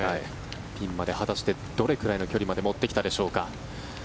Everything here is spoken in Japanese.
ピンまで果たしてどれくらいの距離まで持ってきたでしょうか。